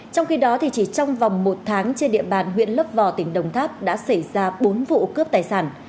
trong khi đó chỉ trong vòng một tháng trên địa bàn huyện lấp vò tỉnh đồng tháp đã xảy ra bốn vụ cướp tài sản